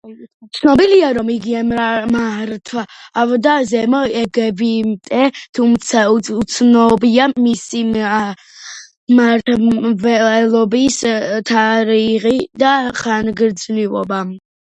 ცნობილია, რომ იგი მართავდა ზემო ეგვიპტე, თუმცა უცნობია მისი მმართველობის თარიღი და ხანგრძლივობა.